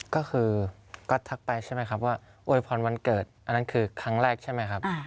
ก็คือก๊อตทักไปใช่ไหมครับว่าอวยพรวันเกิดอันนั้นคือครั้งแรกใช่ไหมครับ